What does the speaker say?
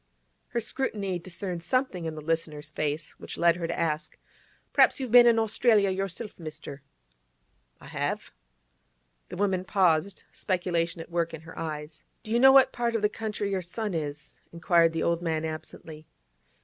Her scrutiny discerned something in the listener's face which led her to ask: 'Perhaps you've been in Australia yourself, mister?' 'I have.' The woman paused, speculation at work in her eyes. 'Do you know in what part of the country your son is?' inquired the old man absently.